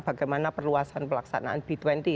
bagaimana perluasan pelaksanaan b dua puluh